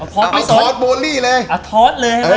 พอร์สโบรี่เลย